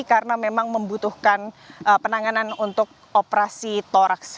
karena memang membutuhkan penanganan untuk operasi thorax